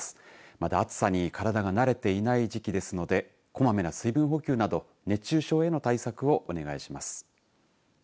また暑さに体が慣れていない時期ですのでこまめな水分補給など熱中症への対策をお願いします。